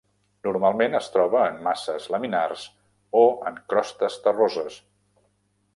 Normalment es troba en masses laminars o en crostes terroses.